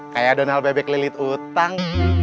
kayak donald bebek lilit utang